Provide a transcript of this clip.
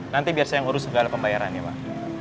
nanti biar saya ngurus segala pembayarannya pak